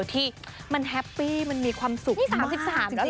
ที่มันแฮปปี้มันมีความสุข๓๓แล้ว